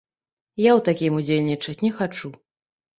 Я ў такім удзельнічаць не хачу.